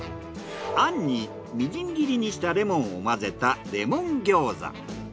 餡にみじん切りにしたレモンを混ぜたレモン餃子。